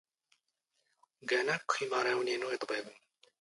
ⴳⴰⵏ ⴰⴽⴽⵯ ⵉⵎⴰⵔⴰⵡⵏ ⵉⵏⵓ ⵉⴹⴱⵉⴱⵏ.